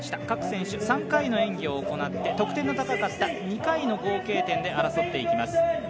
各選手３回の演技を行って得点の高かった２回の合計点で争っていきます。